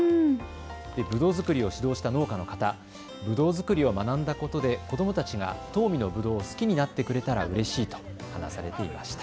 ぶどう作りを指導した農家の方、ぶどう作りを学んだことで子どもたちが東御のぶどうを好きになってくれたらうれしいと話されていました。